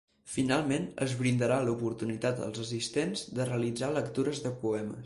Finalment, es brindarà l’oportunitat als assistents de realitzar lectures de poemes.